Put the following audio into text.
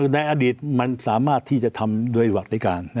ในอดีตมันสามารถที่จะทำโดยวัสดิการ